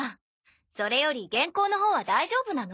それより原稿のほうは大丈夫なの？